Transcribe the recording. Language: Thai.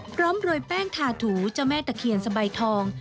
โรยแป้งทาถูเจ้าแม่ตะเคียนสบายทอง